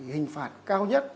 hình phạt các bộ luật hình sự